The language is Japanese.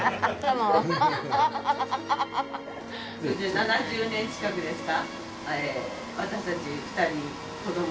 ７０年近くですか。